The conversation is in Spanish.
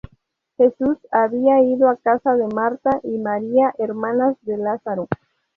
Jesús había ido a casa de Marta y María, hermanas de Lázaro.